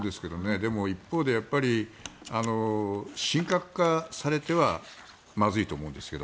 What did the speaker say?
でも一方で、神格化されてはまずいと思うんですけど